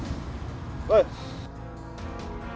kita duduk dulu yuk